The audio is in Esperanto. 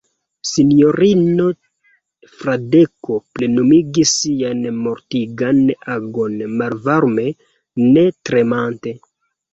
Sinjorino Fradeko plenumis sian mortigan agon malvarme, ne tremante.